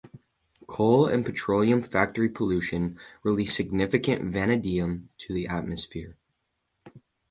Coal and petroleum factory pollution release significant vanadium to the atmosphere.